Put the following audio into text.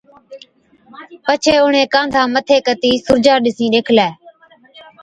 پڇي اُڻهين ڪانڌا مٿِي ڪتِي سُورجا ڏِسِين ڏيکلَي،